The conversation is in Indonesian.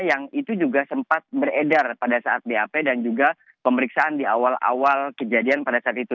yang itu juga sempat beredar pada saat bap dan juga pemeriksaan di awal awal kejadian pada saat itu